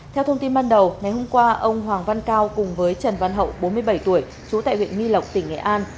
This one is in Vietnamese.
theo thông tin ban đầu ngày hôm qua ông hoàng văn cao cùng với trần văn hậu bốn mươi bảy tuổi trú tại huyện nghi lộc tỉnh nghệ an